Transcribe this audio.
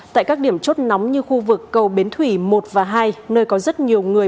tại các điểm chốt nóng như khu vực cầu bến thủy một và hai nơi có rất nhiều người